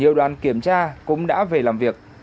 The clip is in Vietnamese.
nhiều đoàn kiểm tra cũng đã về làm việc